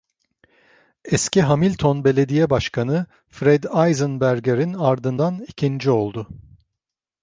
Eski Hamilton Belediye Başkanı Fred Eisenberger’in ardından ikinci oldu.